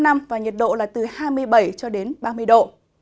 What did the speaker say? nhiệt độ là từ hai mươi bảy ba mươi độ